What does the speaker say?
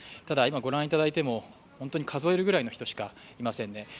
ただ今、御覧いただいても本当に数えるぐらいしかいませんね。